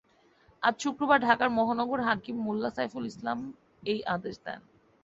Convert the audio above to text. আজ শুক্রবার ঢাকার মহানগর হাকিম মোল্লা সাইফুল ইসলাম এই আদেশ দেন।